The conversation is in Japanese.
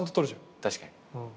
確かに。